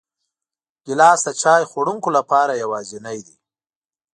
ګیلاس د چای خوړونکو لپاره یوازینی دی.